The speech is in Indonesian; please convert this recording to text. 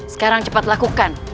sekarang cepat lakukan